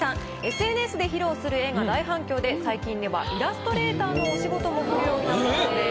ＳＮＳで披露する絵が大反響で最近ではイラストレーターのお仕事も来るようになったそうです。